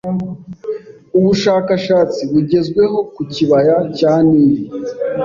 Ubushakashatsi bugezweho ku kibaya cya Nili